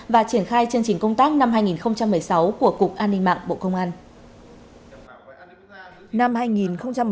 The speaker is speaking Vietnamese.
và triển khai chương trình công tác năm hai nghìn một mươi sáu của cục an ninh mạng bộ công an